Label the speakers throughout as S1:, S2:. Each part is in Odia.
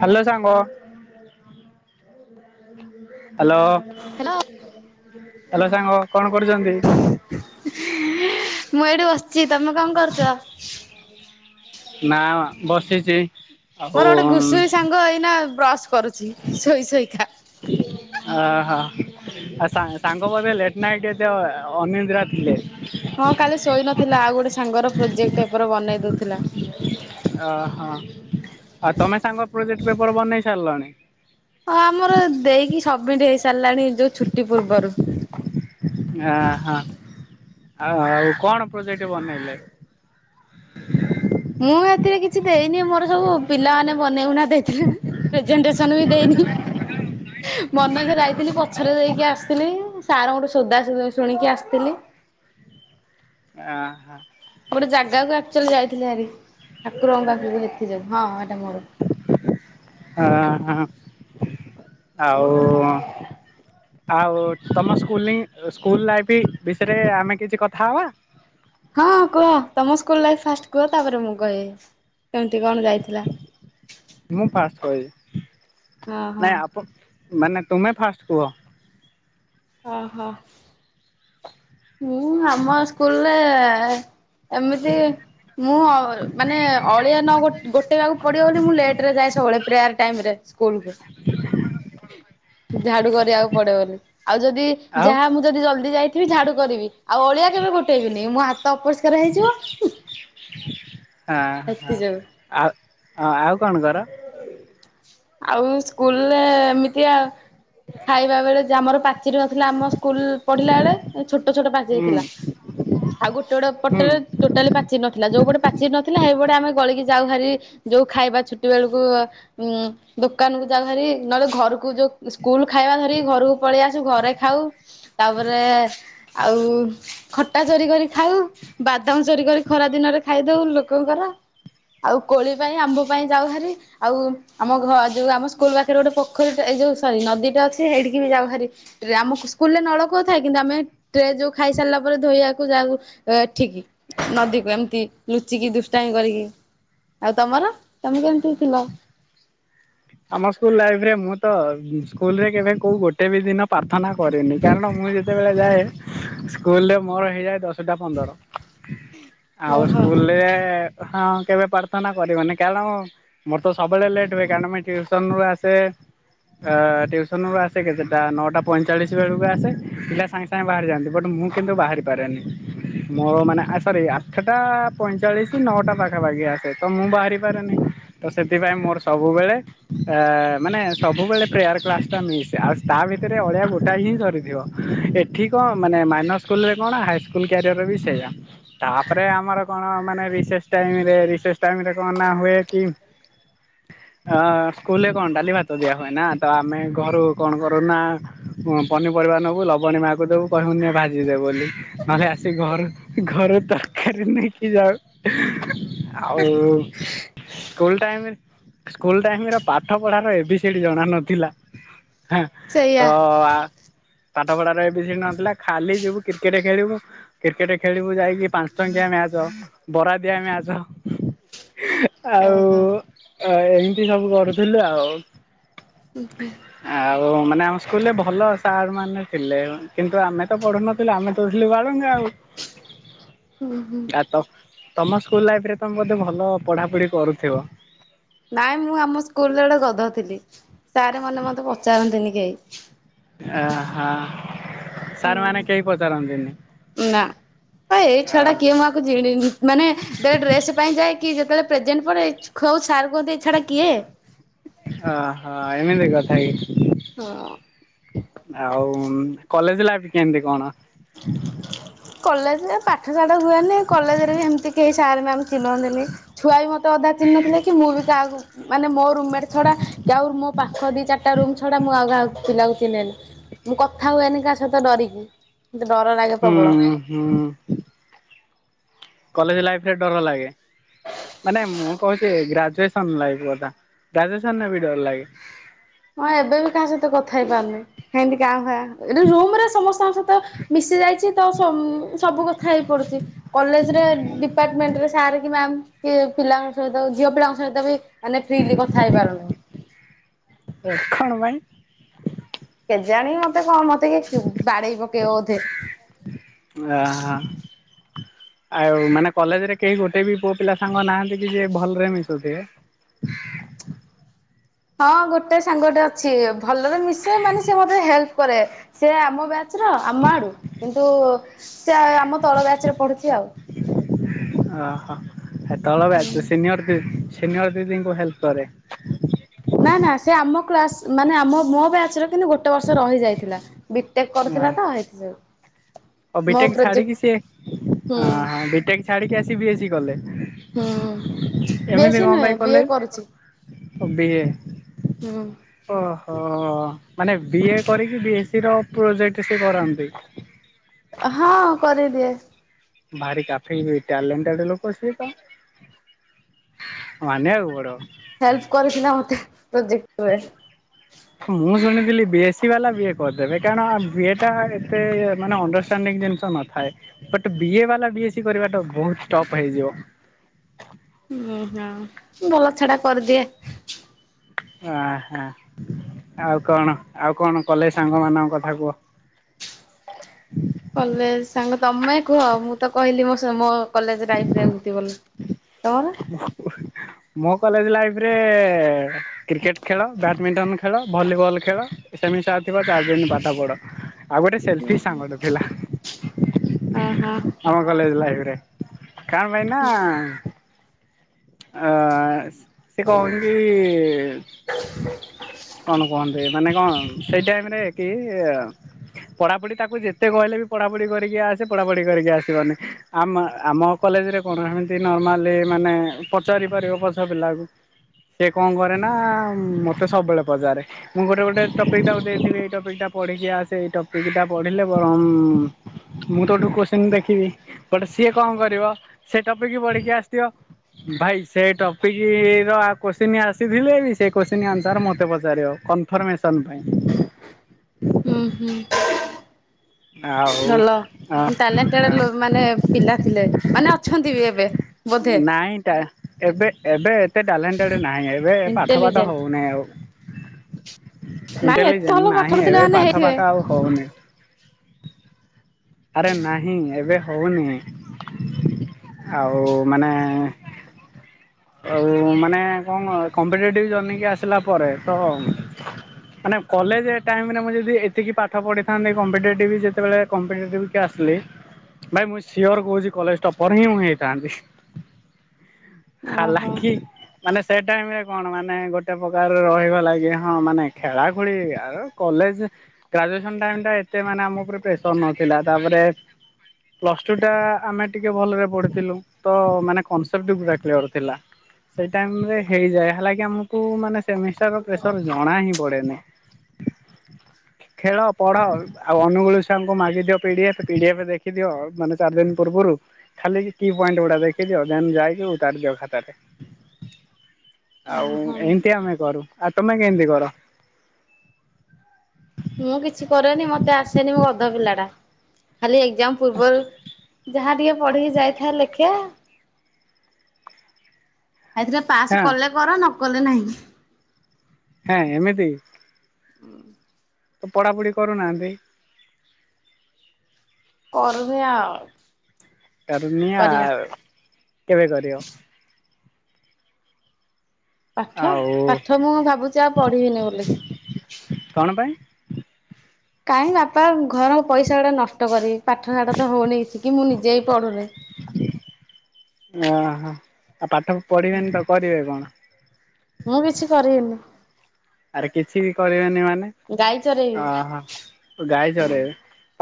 S1: ହାଲୋ ସାଙ୍ଗ। ହାଲୋ
S2: ହ୍ୟାଲୋ
S1: ହାଲୋ ସାଙ୍ଗ। କଣ କରୁଛନ୍ତି?
S2: ଚି ତମେ କଣ କରୁଚ?
S1: ନା ବସିଛି ।
S2: ମୋର ଗୋଟେ ଘୁଷୁରୀ ସାଙ୍ଗ ଏଇନା ବ୍ରଶ କରୁଛି ଶୋଇ ଶୋଇକା ।
S1: ଅହ ଆ ସା-ସାଙ୍ଗ ବୋଧେ ଲେଟ୍ ନାଇଟ୍ ଏତେ ଅନିଦ୍ରା ଥିଲେ।
S2: ହଁ କାଲି ଶୋଇ ନଥିଲା ଆଉ ଗୋଟେ ସାଙ୍ଗର ପ୍ରୋଜେକ୍ଟ ପେପର ବନେଇ ଦଉ ଥିଲା ।
S1: ଓ ହଁ । ଆଉ ତମେ ସାଙ୍ଗ ପ୍ରୋଜେକ୍ଟ ପେପର ବନେଇ ସାରିଲଣି?
S2: ହଁ ଆମର ଦେଇକି ସମିଟ ହେଇସାରି ଲାଣି ଯୋଉ ଛୁଟି ପୂର୍ବରୁ ।
S1: ଆହା ଆଉ ଆଉ କଣ ପ୍ରୋଜେକ୍ଟ ବନେଇଲେ?
S2: ମୁଁ ଏଥିରେ କିଛି ଦେଇନି ମୋର ସବୁ ପିଲାମାନେ ବନେଇବୁନା ଦେଇଥିଲେ ପ୍ରେଜେଣ୍ଟେସନ ବି ଦେଇନି ମନ ଇଚ୍ଛା ଯାଇଥିଲି ପଛରେ ଦେଇକି ଆସିଥିଲି । ସାର୍ ଙ୍କ ଠୁ ସୋଦା ଶୁ-ଶୁଣିକି ଆସିଥିଲି ।
S1: ଆଁ ହଁ।
S2: ହେଲାରେ ଠାକୁରଙ୍କ ପାଖକୁ ହେଥିରେ ହଁ ଏଟା ମୋର ।
S1: ଆହା ଆଉ ଆଉ ତମ ସ୍କୁଲିଂ ସ୍କୁଲ ଲାଇଫ ବିଷୟରେ ଆମେ କିଛି କଥା ହବା?
S2: ହଁ କୁହ ତମ ସ୍କୁଲ ଲାଇଫ ଫାଷ୍ଟ କୁହ ତାପରେ ମୁଁ କହିବି। କେମିତି କଣ ଯାଇଥିଲା?
S1: ମୁଁ ଫାଷ୍ଟ କହିବି
S2: ହଁ ହଁ।
S1: ନାଇଁ ଆପଣ ମାନେ ତୁମେ ଫାଷ୍ଟ କୁହ ।
S2: ଓହୋ। ମୁଁ ଆମ ସ୍କୁଲରେ ହ ଏମିତି ମୁଁ ମାନେ ଅଳିଆ ନ ଗୋ-ଗୋଟେଇବାକୁ ପଡିବ ବୋଲି ମୁଁ ଲେଟରେ ଯାଏ ସବୁବେଳେ ପ୍ରେୟାର ଟାଇମ୍ ରେ ସ୍କୁଲକୁ ଝାଡୁ କରିବାକୁ ପଡିବ ବୋଲି ଆଉ ଯଦି
S1: ଆଉ
S2: ଯାହା ମୁଁ ଯଦି ଜଲଦି ଯାଇଥିବି ଝାଡୁ ଆଉ ଅଳିଆ କେବେ ଗୋଟେଇବିନି । ମୋ ହା ତ ଅପରିଷ୍କାର ହେଇଯିବ ।
S1: ହଁ ହଁ ଆଉ ଆଉ କଣ କର?
S2: ଆଉ ସ୍କୁଲରେ ଏମି ତିଆ ଖାଇବା ବେଳେ ଯେ ଆମର ପାଚ ଚେରୀ ନ ଥିଲା ଆମ ସ୍କୁଲ ପଢିଲା ବେଳେ ଛୋଟ ଛୋଟ ପାଚେରୀ
S1: ହୁଁ
S2: ଥିଲା ଆଉ ଗୋଟେ ଗୋଟେ
S1: ହୁଁ
S2: ପଟରେ ଟୋଟାଲି ପାଚିରି ନଥିଲା ଯୋଉ ଗୋଟେ ପାଚରୀ ନ ଥିଲା ହେଇପଟେ ଆମେ ଗଳିକି ଯାଉ ହାରି ଯୋଉ ଖାଇବା ଛୁଟି ବେଳକୁ ଉ ଉଁ ଦୋକାନକୁ ଯାଉ ହେରି ନହେଲେ ଘରକୁ ଯୋଉ ସ୍କୁଲ ଖାଇବା ଧରି ଘରକୁ ପଳେଇ ଆସୁ ଘରେ ଖାଉ ତାପରେ ଆଉ ଖଟା ଚୋରି କରି ଖାଉ ବାଦାମ ଚୋରି କରି ଖରା ଦିନରେ ଖାଇଦଉ ଲୋକଙ୍କର ଆଉ କୋଳି ପାଇଁ ଆମ୍ବ ପାଇଁ ଯାଉ ହେରି ଆଉ ଆମ ଘ ଯୋଉ ଆମ ସ୍କୁଲ ପାଖରେ ଗୋଟ ପୋଖରୀ ଟେ ଏଇ ଯୋଉ ସରୀ ନଦୀଟେ ଅଛି ହେଇଠିକି ଯାଉ ହେରି ଆମ ସ୍କୁଲରେ ନଳକୂଅ ଥାଏ କିନ୍ତୁ ଆମେ ଟେ ଯୋଉ ଖାଇ ସାରିଲା ପରେ ଧୋଇବାକୁ ଯାଉ ଏଠିକି ନଦୀକୁ ଏମିତି ଲୁଚିକି ଦୁଷ୍ଟାମି କରିକି ଆଉ ତମର ତମେ କେମିତି ଥିଲ?
S1: ଆମ ସ୍କୁଲ ଲାଇଫରେ ମୁଁ ତ ସ୍କୁଲରେ କେବେ କୋଉ ଗୋଟେ ବି ଦିନ ପା ପ୍ରାର୍ଥନା କରିନି କାରଣ ମୁଁ ଯେତେବେଳେ ଯାଏ ସ୍କୁଲରେ ମୋର ଏୟା ଦଶ ସାତଟା ପନ୍ଦର ଆଉ
S2: ଓହୋ
S1: ସ୍କୁଲରେ ହଁ କେବେ ପ୍ରାର୍ଥନା କରିବନି କାରଣ ମୋର ତ ସବୁବେଳେ ଲେଟ ହୁଏ କାରଣ ମୁଁଇ ଟିଉସନୁ ଆସେ ଟିଉସନୁ ଆସେ କେତେଟା ନଅଟା ପଇଁଚାଳିଶ ବେଳକୁ ଆସେ ପିଲା ସାଙ୍ଗେ ସାଙ୍ଗେ ବାହାରିଯାଆନ୍ତି। ବଟ୍ ମୁଁ କିନ୍ତୁ ବାହାରିପାରେନି ମୋର ମାନେ ସରି ଆଠଟା ପଇଁଚାଳିଶ ନଅଟା ପାଖାପାଖି ଆସେ ତ ମୁଁ ବାହାରିପାରେନି ତ ସେଥିପାଇଁ ମୋର ସବୁବେଳେ କି ୟେ ମାନେ ସବୁବେଳେ ପ୍ରେୟାର କ୍ଲାସ ଟା ମିସ୍ ଆଉ ତା ଭିତରେ ଅଳିଆ ଗୋଟାଏ ହିଁ ସରିଥିବ ଏଠି କଣ ମାନେ ମାଇନସ୍ ସ୍କୁଲରେ କଣ ହାଇସ୍କୁଲ କ୍ୟାରିଅର ବି ସେଇୟା ତାପରେ ଆମର କଣ ମାନେ ରିସେସ ଟାଇମରେ ରିସେସ ଟାଇମରେ କଣ ହୁଏ କି ଅ ସ୍କୁଲରେ କଣ ଡାଲି ଭାତ ଦିଆ ହୁଏ ନା ତ ଆମେ ଘରୁ କଣ କରୁନା ପନିପରିବା ନବୁ ଲବଣୀ ମାକୁ ଦେବୁ କହିବୁ ନେ ଭାଜିଦେବ ବୋଲି ନହେଲେ ଆସି ଘରୁ ହେ ଘରୁ ହେ ତରକାରୀ ନେଇକି ଯାଉ ଆଉ ସ୍କୁଲ ଟାଇମ ସ୍କୁଲ ଟାଇମ୍ ର ପାଠ ପଢାର ଏବି ସିଡି ଜଣା ନଥିଲା। ହେଁ
S2: ସେଇଆ
S1: ତ ପାଠ ପଢାର ଏ ବି ସିଡି ଜଣା ନଥିଲା ଖାଲି ଯିବୁ କ୍ରିକେଟ ଖେଳିବୁ କ୍ରିକେଟ ଖେଳିବୁ ଯାଇକି ପାଞ୍ଚ ଟଙ୍କିଆ ମ୍ୟାଚ ବରା ଦିଆ ମ୍ୟାଚ। ଆଉ
S2: ଓହୋ
S1: ଆ ଏମିତି ସବୁ କରୁ ବୁଝିଲୁ ଆଉ
S2: ହୁ ହୁଁ
S1: ଓ ମାନେ ଆମ ସ୍କୁଲରେ ଭଲ ସାର୍ ମାନେ ଥିଲେ। କିନ୍ତୁ ଆମେ ତ ପଢୁନଥିଲୁ ଆମେ ତ ଥିଲୁ ବଳୁଙ୍ଗା ଆଉ ଗାତ ତମ ସ୍କୁଲ ଲାଇଫରେ ତମେ ବୋଧେ ଭଲ ପଢାପଢି କରୁଥିବ?
S2: ନାଇଁ ମୁଁ ଆମ ସ୍କୁଲରେ ଗୋଟେ ଗଧ ଥିଲି ସାର୍ ମାନେ ମତେ ପଚାରନ୍ତିନି କେହି।
S1: ଆ ହା ସାର୍
S2: ହୁଁ
S1: ମାନେ କେହି ପଚାରନ୍ତିନି।
S2: ନା ତ ଏଇ
S1: ଆ
S2: ଛୁଆ ଟା କିଏ ମୁଁ ଆକୁ ଚିହ୍ନିନି ମାନେ ଡ୍ରେସ ପାଇଁ ଯାଏ କି କେତେବେଳ ପ୍ରେଜେଣ୍ଟ ପଡେ ଖ ସାର୍ କୁହନ୍ତି ଏ ଛୁଆ ଟା କିଏ?
S1: ଓହୋ ଏମିତି କଥା କି?
S2: ହଁ
S1: ଆଉ ଉଁ କଲେଜ ଲାଇଫ କେମିତି କଣ?
S2: କଲେଜରେ ପାଠଶାଠ ହୁଏନି କଲେଜରେ ବି ଏମିତି କେହି ସାର ମ୍ୟାମ୍ ଚିହ୍ନନ୍ତିନି ଛୁଆ ବି ମୋତେ ଅଧା ଚିହ୍ନି ନଥିଲେ କି ମୁଁ ବି କହାକୁ ମାନେ ମୋର ରୁମ୍ ମେଣ୍ଟ ଛଡା କି ଆଉ ମୋ ପାଖ ଦି ଚାରଟା ରୁ ଛଡା ମୁଁ ଆଉ କାହାକୁ ପିଲାକୁ ଚିହ୍ନିଲି ମୁଁ କଥା ହୁଏନି କା ସହିତ ଡରିକି। ମୋତେ ଡର ଲାଗେ ପ୍ରବଳ।
S1: ହୁଁ ହୁଁ କଲେଜ ଲାଇଫରେ ଡର ଲାଗେ ମାନେ ମୁଁ କହୁଛି ଗ୍ରାଜୁଏସନ ଲାଇ କଥା ଗ୍ରାଜୁନରେ ବି ଡର ଲାଗେ
S2: ହଁ ଏବେ ବି କାହା ସହିତ କଥା ହେଇ ପାରୁନି କେମତି କାଁ ଖଆ ଏଠି ରୁମ ରେ ସମସ୍ତଙ୍କ ସହିତ ମିଶି ଯାଇଛି ତ ସମ୍ ସବୁ କଥା ହେଇ ପଡୁଛି କଲେଜ ତ ଡିପାର୍ଟମେଣ୍ଟ ରେ ସାର କି ମ୍ୟାମ ପିଲାଙ୍କ ସହିତ ଝିଅ ପିଲାଙ୍କ ସହିତ ବି ମାନେ ଫ୍ରିଲି କଥା ହେଇପାରୁନେ
S1: ଏ ଖଣ ପାଇଁ
S2: ଜାଣି ମତେ କଣ ମ ବାଡ଼େଇ ପକେଇବ ବୋଧେ
S1: ଆହା ଆଉ ମାନେ କଲେଜରେ କେହି ଗୋଟେ ବି ପୁଅ ପିଲା ସାଙ୍ଗ ନାହାନ୍ତି କି ଯିଏ ଭଲରେ ମିଶୁଥିବେ?
S2: ହଁ ଗୋଟେ ସାଙ୍ଗଟେ ଅଛି। ଭଲରେ ମିଶେ ମାନି ସେ ମୋତେ ହେଲ୍ପ କରେ ସେ ଆମ ବ୍ୟା ଚ ର ଆମ ଆଡୁ କିନ୍ତୁ ସେ ଆମ ତଳ ବ୍ୟାଚରେ ପଢୁଛି ଆଉ।
S1: ଏ ତଳ ବ୍ୟାଚ
S2: ହୁଁ।
S1: ସିନିଅର କି ସିନିୟର୍ ଦିଦିଙ୍କୁ ହେଲ୍ପ କରେ।
S2: ନା ନା ସେ ଆମ କ୍ଲାସ ମାନେ ଆମ ମୋ ବ୍ୟାଚ୍ ର କିନ୍ତୁ ଗୋଟେ ବର୍ଷ ରହିଯାଇଥିଲା। ବିଟେକ୍
S1: ହଁ
S2: କରୁଥିଲା ତ ଏଇଥିପାଇଁ।
S1: ଆଉ ବିଟେକ ଛାଡିକି ସିଏ
S2: ହୁଁ
S1: ହଁ ବିଟେକ୍ ଛାଡିକି ଆସିି କି ବି କଲେ।
S2: ହୁଁ ବେଶୀ ନୁହେଁ ବିଏ କରୁଚି।
S1: ବିଏ । ଓହୋ ମାନେ ବିଏ କରିକି ବି ଥିର ପ୍ରୋଜେକ୍ଟ ସେ କରନ୍ତି।
S2: ହଁ କରିଦିଏ ।
S1: ଭାରି କାଫେଇ ଟାଲେଣ୍ଟେଡ ଲୋକ ସିଏ ତ ମାନିବାକୁ ପଡ଼ିବ।
S2: ହେଲ୍ପ କରିଥିଲା ମତେ ପ୍ରୋଜେକ୍ଟ ରେ।
S1: ବିଏସି ବାଲା ବିଏ କରିଦେବେ କାରଣ ବିଏ ଟା ଏତେ ମାନେ ଅଣ୍ଡରଷ୍ଟାଣ୍ଡିଙ୍ଗ ଜିନିଷ ନଥାଏ ବଟ ବିଏ ବାଲା ବିଏସି କରିବା ଟା ବହୁତ ଟପ୍ ହେଇଯିବ।
S2: ଉଁ ହୋଁ ଭଲ ଛଡା କରିଦିଏ।
S1: ଓ ହ। ଆଉ କଣ ଆଉ କଣ? କଲେ ସାଙ୍ଗ ମାନଙ୍କ କଥା କୁଅ।
S2: କଲେ ସାଙ୍ଗ ତମେ କୁହ ମୁଁ ତ କହିଲି ମୋ ମୋ କଲେଜ ଲାଇଫରେ ଏମିତି ବୋଲି। ତମର?
S1: ମୁଁ କଲେଜ ଲାଇଫ୍ ରେ କ୍ରିକେଟ୍ ଖେଳ, ବ୍ୟାଡ଼ମିଣ୍ଟନ ଖେଳ, ଭଲିବଲ୍ ଖେଳ, ସେମିଷ୍ଟାର ଥିବ ଚାର ଦିନ ପାଠ ପଢ ଆଉ ଗୋଟେ ସେଲଫିସ ସାଙ୍ଗ ଥିଲା
S2: ଓହୋ
S1: ଆମ କଲେଜ ଲାଇଫ୍ ରେ। [inaudible] କଣ ଭାଇନା ଆ ସେ କହି କଣ କହନ୍ତେ ମାନେ କଣ ସେଇ ଟାଇମ ରେ କି ପଢ଼ାପଢ଼ି ତାକୁ ଯେତେ କହିଲେ ବି ପଢ଼ାପଢ଼ି କରିକି ଆସେ ପଢ଼ାପଢ଼ି କରିକି ଆସିବନି ଆମ ଆମ କଲେଜରେ କଣ ଏମିତି ନର୍ମାଲି ମାନେ ପଚାରି ପାରିବ ପଛ ପିଲାକୁ ସିଏ କଣ କରେ ନା ମତେ ସବୁବେଳେ ପଚାରେ ମୁଁ ଗୋଟେ ଗୋଟେ ଟପିକ ଟାକୁ ଦେଇଥିବି ଏଇ ଟପିକଟା ପଢିକି ଆସେ ଏଇ ଟପିକ ଟା ପଢିଲେ ବର ମୁଁ ତୋଠୁ କୋଚିନି ଦେଖିବି ଗୋଟେ ସିଏ କଣ କରିବ ସେ ଟପିକ୍ ପଢିକି ଆସିଥିବ। ଭାଇ ସେ ଟପିକ ର କୋଚିନ୍ ଆସିଥିଲେ ବି ସେ କଶ୍ଚି ଆନ୍ସର ମତେ ପଚାରିବ କନଫର୍ମେସନ ପାଇଁ।
S2: ଉଁ ହୁଁ।
S1: ଆଉ
S2: ଭଲ ଆପଣ ଟ୍ୟାଲେଣ୍ଟେଡ ମାନେ ପିଲା ଥିଲେ ମାନେ ଅଛନ୍ତି ବି ଏବେ। ବୋଧେ
S1: ନାଇଁ ଏବେ ଏବେ ଏତେ ଟ୍ୟାଲେଣ୍ଟେଡ଼ ନାହିଁ ଏବେ ପାଠ ପାଠ
S2: ଇଣ୍ଟେଲିଜେଣ୍ଟ
S1: ହେଉନାହିଁ ଆଉ।
S2: ନାଇଁ ଏତେ ଭଲ
S1: ଇଣ୍ଟେଲିଜେଣ୍ଟ
S2: ପାଠ
S1: ନାହିଁ
S2: ପଢୁଥିଲେ
S1: ଏବେ
S2: ମାନେ
S1: ପାଠ
S2: ହେଇଥିବେ।
S1: ଫାଠ ଆଉ ହଉନି। ଆରେ ନାହିଁ ଏବେ ହେଉନି ଆଉ ମାନେ ଆଉ ମାନେ କଣ କମ୍ପେ ଜନକି ଆସିଲା ପରେ ତ ମାନେ କଲେଜ ଟାଇରେ ମୁ ଯଦି ଏତିକି ପାଠ ପଢିଥାନ୍ତି ଯେତେବେଳେ ଆସିଲି ଭାଇ ମୁଁ ସିଓର କହୁଛି କଲେଜ ଟପର ହିଁ ମୁଁ ହେଇଥାନ୍ତି। ଖାଲା
S2: ଓହୋ।
S1: କି ମାନେ ସେ ଟାଇମ ରେ କଣ ମାନେ ଗୋଟେ ପ୍ରକାର ରହଗ ଲାଗି ହଁ ମାନେ ଖେଳା ଖେଳି ଆର କଲେଜ ଗ୍ରାଜୁଏସନ ଟାଇମ ଟା ଏତେ ମାନେ ଆମ ଉପରେ ପ୍ରେସର ନଥିଲା ତାପରେ ପ୍ଲସ ଟୁ ଟା ଆମେ ଟିକେ ଭଲରେ ପଢ଼ିଥିଲୁ ତ ମାନେ କନସେପ୍ଟ ପୁରା କ୍ଲିୟର। ସେ ଟାଇମ ରେ ହେଇଯାଏ ହେଲାକି ଆମକୁ ମାନେ ସେମିଷ୍ଟର ପ୍ରେସର ଜଣା ହିଁ ପଡେନି ଖେଳ ପଢ ଆଉ ଅନୁଗୁଳ ସେ ଆମକୁ ମାଗି ଦିଅ ପିଡିଫ ପିଡିଏଫ ଦେଖିଦିଅ ମାନେ ଚାରି ଦିନ ପୂର୍ବରୁ ଖାଲି କି ପଏଣ୍ଟ ଗୁଡା ଦେଖିଦିଅ ଯାଇକି ଉତାରି ଦିଅ ରେ। ଆଉ
S2: ଓହୋ
S1: ଏମିତି ଆମେ କରୁ। ଆ ତମେ କେମିତି କର?
S2: ମୁଁ କିଛି କରେନି ମତେ ଆସେନି ମୁଁ ଗଧ ପିଲା ଟା। ଖାଲି ଏଜାମ ପୂର୍ବରୁ ଯାହା ଟିକେ ପଢିକି ଯାଇଥାଏ ଲେଖା। ସେଇଥିରେ ପାସ୍
S1: ହଁ
S2: କଲେ କର ନ କଲେ ନାହିଁ।
S1: ହଁ ଏମିତି।
S2: ହୁଁ।
S1: ତ ପଢାପଢି କରୁନାହାନ୍ତି।
S2: କରିବା ଆଉ
S1: କରିମି
S2: କରିବା
S1: ଆଉ। କେବେ କରିବ?
S2: ପାଠ
S1: ଆଉ
S2: ପାଠ ମୁଁ ଭାବୁଛି ଆଉ ପଢିବିନି ବୋଲିକି।
S1: କଣ ପାଇଁ
S2: କାହିଁକି ବାପା ଘର ପଇସା ଗୁଡା ନଷ୍ଟ କରି ପାଠଶାଠ ତ ହଉନି କିଛି କି ମୁଁ ନିଜେ ହିଁ ପଢ଼ୁନି।
S1: ଓ ହୋ। ଆଉ ପାଠ ପଢିବେନି ତ କରିବେ କଣ।
S2: ମୁଁ କିଛି କରିବିନି
S1: ଆରେ କିଛି ବି କରିବେନି ମାନେ
S2: ଗାଈ ଚରେଇବି।
S1: ଓହୋ ଗାଈ
S2: ହୁଁ
S1: ଚଢେଇବେ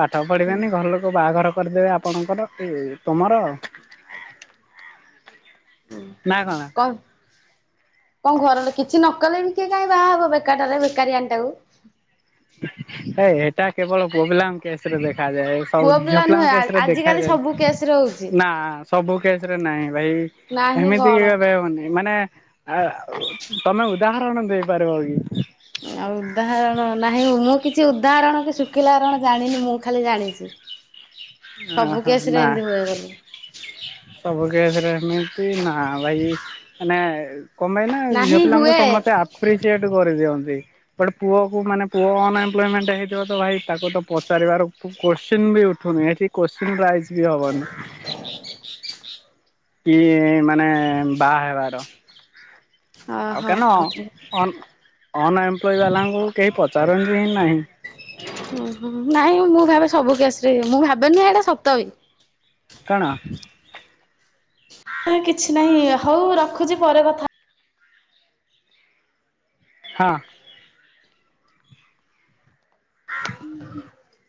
S1: ପାଠ
S2: ହୁଁ
S1: ପଢିବେନି ଘର ଲୋକ ବାହାଘର କରିଦେବେ ଆପଣଙ୍କର ଏ ତମର [inaudible]
S2: କଣ [inaudible] କଣ ଘରରେ କିଛି ନ କଲେ ବି କିଏ କାଇହିଁ ବାହା ହବ ବେକାରାରେ ବେକାରୀ ଆଣି ଟାକୁ
S1: ଏ ଏଟା କେବଳ ପୁଅଙ୍କପିଲା କେସରେ ଦେଖ ଦେଖାଯାଏ ସବୁ
S2: ପୁଅ ପିଲା
S1: ଝିଅପିଲା
S2: ନୁହେଁ ଆ
S1: କେସରେ
S2: ଆଜିକାଲି ସବୁ
S1: ଦେଖାଯାଏନ
S2: କେସରେ ହଉଛି
S1: ନା ସବୁ କେସ ରେ ନାହିଁ ଭାଇ
S2: ନାହିଁ
S1: ଏମିତି
S2: କଣ।
S1: କେବେ ହଉନି ମାନେ ଆ ତମେ ଉଦାହରଣ ଦେଇପାରିବ କି
S2: ଆଉ ଉଦାହରଣ ନାହିଁ ମୁଁ କିଛି ଉଦାହରଣ କି ଶୁଖିଲା ହରଣ ଜାଣିନି ମୁଁ ଖାଲି ଜାଣିଚି,
S1: ଓହୋ ନା [inaudible] ସବୁ କସେରେ ଏମିତି ନା ଭାଇ ମାନେ କମାଇ ନା
S2: ନାହିଁ
S1: ଝିଅପିଲାଙ୍କୁ
S2: ହୁଏ
S1: ସମସ୍ତେ ଆପ୍ରିଟିଏଟେ କରି ଦିଅନ୍ତି, ବଟ ପୁଅକୁ ମାନେ ପୁଅ ଅନଏମ୍ପ୍ଲୟମେଣ୍ଟ ହେଇଥିବ ତ ଭାଇ ତାକୁ ତ ପଚାରିବାର କୋଶ୍ଚିନ୍ ବି ଉଠୁନିଠି କୋସ୍କଚିନ୍ ରାଇଜ୍ ବି ହବନି [inaudible] କି ମା ମାନେ ବାହା ହେବାର ଆଉ
S2: ଓହୋ ଆଉଥରେ
S1: କେନନ୍ ଅନଏମ୍ପ୍ଲ ବାଲାଙ୍କୁ କେହି ପଚାରନ୍ତି ହିଁ ନାହିଁ [inaudible]
S2: ହଁ ନାଇଁ ମୁଁ ଭାବେ ସବୁ କେସ ବି ମୁଁ ଭାବେନି ଏଟା ସତବି [unintelligible]
S1: କାରଣ
S2: ନା କିଛି ନାହିଁ ହୋଉ ରଖୁଚି ପରେ କଥା
S1: ହଁ।